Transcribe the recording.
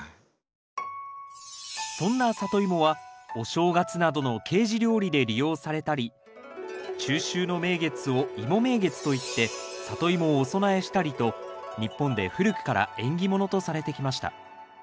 そんなサトイモはお正月などの慶事料理で利用されたり中秋の名月を芋名月といってサトイモをお供えしたりと日本で古くから縁起物とされてきました。